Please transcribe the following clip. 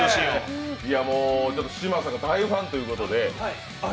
嶋佐が大ファンということで。